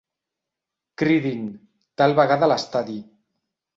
Cridin, tal vegada a l'estadi.